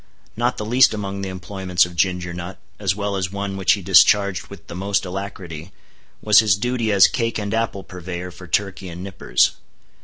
Not the least among the employments of Ginger Nut, as well as one which he discharged with the most alacrity, was his duty as cake and apple purveyor for Turkey and Nippers.